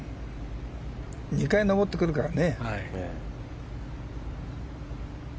２回、上ってくるからね。